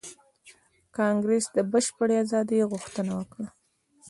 کانګریس د بشپړې ازادۍ غوښتنه وکړه.